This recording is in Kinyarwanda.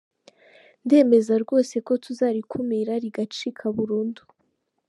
Ndemeza rwose ko tuzarikumira rigacika burundu”.